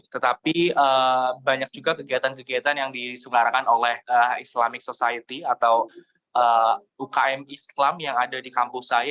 tetapi banyak juga kegiatan kegiatan yang disengarakan oleh islamic society atau ukm islam yang ada di kampus saya